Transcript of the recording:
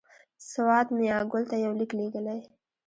سوات میاګل ته یو لیک لېږلی.